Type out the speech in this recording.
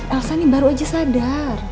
elsa ini baru aja sadar